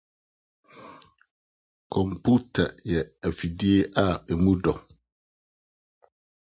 Kɔmputa yɛ mfiri a emu dɔ.